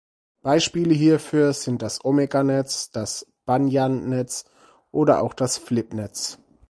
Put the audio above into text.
Beispiele hierfür sind das Omega-Netz, das Banyan-Netz oder auch das Flip-Netz.